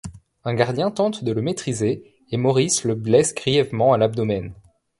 Un gardien tente de le maîtriser et Maurice le blesse grièvement à l'abdomen.